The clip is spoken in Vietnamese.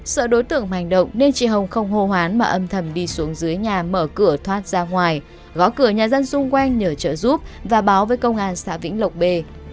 sợ đối tượng hành động nên chị hồng không hô hoán mà âm thầm đi xuống dưới nhà mở cửa thoát ra ngoài gõ cửa nhà dân xung quanh nhờ trợ giúp và báo với công an xã vĩnh lộc bê